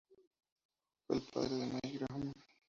Fue el padre de Mike Graham.